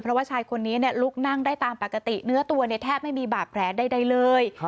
เพราะว่าชายคนนี้ลุกนั่งได้ตามปกติเนื้อตัวแทบไม่มีบาดแผลใดเลย